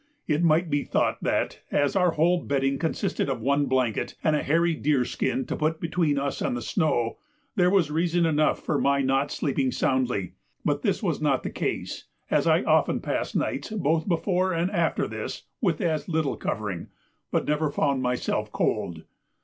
It might be thought that, as our whole bedding consisted of one blanket, and a hairy deer skin to put between us and the snow, there was reason enough for my not sleeping soundly; but this was not the case, as I often passed nights both before and after this with as little covering, but never found myself cold.